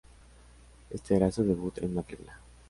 Éste era su debut en una película.